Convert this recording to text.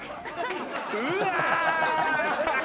うわ。